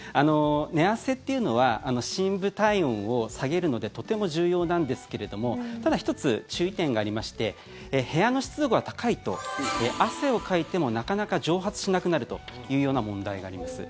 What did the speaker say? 寝汗っていうのは深部体温を下げるのでとても重要なんですけれどもただ、１つ注意点がありまして部屋の湿度が高いと汗をかいても、なかなか蒸発しなくなるというような問題があります。